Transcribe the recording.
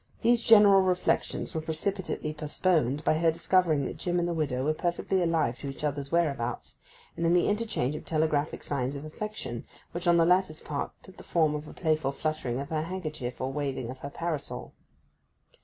These general reflections were precipitately postponed by her discovering that Jim and the widow were perfectly alive to each other's whereabouts, and in the interchange of telegraphic signs of affection, which on the latter's part took the form of a playful fluttering of her handkerchief or waving of her parasol.